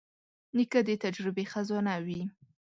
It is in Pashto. نیکه د تجربې خزانه وي.